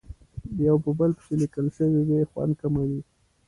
یو په بل پسې لیکل شوې وي خوند کموي.